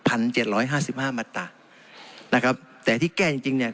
เจ็ดร้อยห้าสิบห้ามาตรานะครับแต่ที่แก้จริงจริงเนี้ย